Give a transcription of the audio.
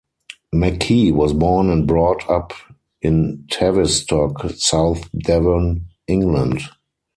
McKee was born and brought up in Tavistock, South Devon, England.